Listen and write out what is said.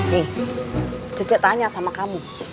nih cece tanya sama kamu